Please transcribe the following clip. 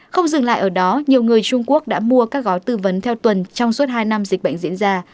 không dừng lại ở đó nhiều người trung quốc đã mua các gói tư vấn theo tuần trong suốt hai năm dịch bệnh diễn ra